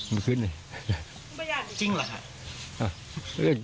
ไม่ได้เปิด